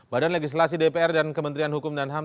badan legislasi dpr dan kementerian hukum dan ham